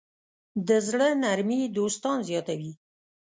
د زړۀ نرمي دوستان زیاتوي.